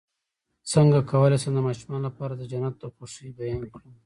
څنګه کولی شم د ماشومانو لپاره د جنت د خوښۍ بیان کړم